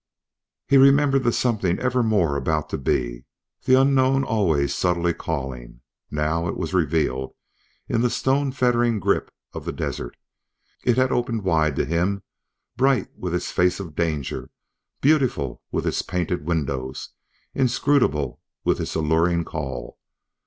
He remembered the something evermore about to be, the unknown always subtly calling; now it was revealed in the stone fettering grip of the desert. It had opened wide to him, bright with its face of danger, beautiful with its painted windows, inscrutable with its alluring call.